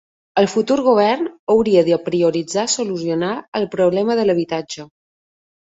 El futur Govern hauria de prioritzar solucionar el problema de l'habitatge.